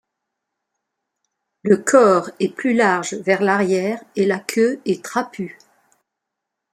Le corps est plus large vers l'arrière, et la queue est trapue.